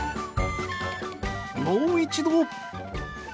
もう一度。